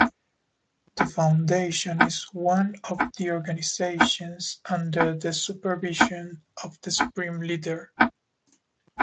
The foundation is one of the organizations under the supervision of the Supreme Leader.